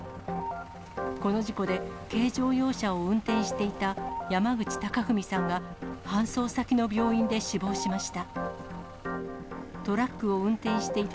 この事故で、軽乗用車を運転していた山口隆史さんが、搬送先の病院で死亡しました。